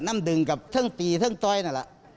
นำดึงกับทั้งตีทั้งจ้อย